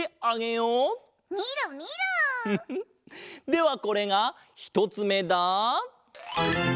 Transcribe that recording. ではこれがひとつめだ。